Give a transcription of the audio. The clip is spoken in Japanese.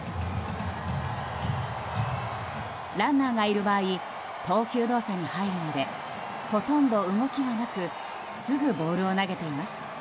ランナーがいる場合投球動作に入るまでほとんど動きはなくすぐボールを投げています。